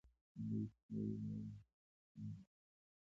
نړۍ ته د یوه واحد په سترګه ګورم.